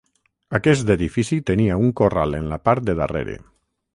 Aquest edifici tenia un corral en la part de darrere.